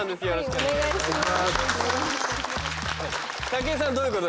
お願いします。